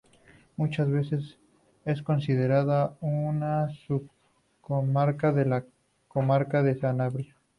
Muchas veces es considerada una subcomarca de la comarca de Sanabria.